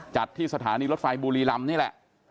ที่สถานีรถไฟบุรีรำนี่แหละ